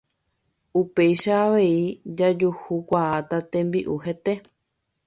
Upéicha avei jajuhukuaáta tembi'u hete